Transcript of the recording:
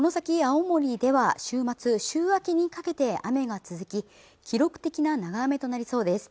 青森では週末週明けにかけて雨が続き記録的な長雨となりそうです